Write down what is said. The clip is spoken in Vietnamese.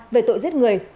về tội giết người